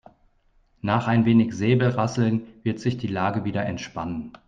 Nach ein wenig Säbelrasseln wird sich die Lage wieder entspannen.